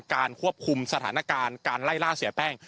การควบคุมสถานการณ์การไล่ล่าเสียแป้ง